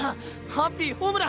ハッピーホムラ！